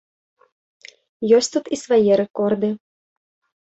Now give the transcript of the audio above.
Ёсць тут і свае рэкорды.